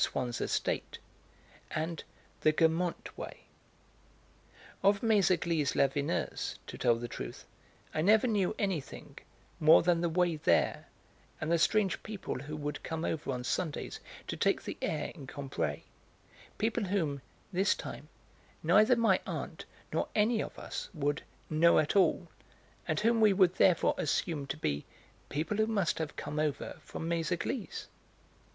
Swann's estate, and the 'Guermantes way.' Of Méséglise la Vineuse, to tell the truth, I never knew anything more than the way there, and the strange people who would come over on Sundays to take the air in Combray, people whom, this time, neither my aunt nor any of us would 'know at all,' and whom we would therefore assume to be 'people who must have come over from Méséglise.'